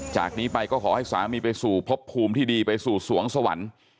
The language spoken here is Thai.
จากนี้ไปก็ขอให้สามีไปสู่พบภูมิที่ดีไปสู่สวงสวรรค์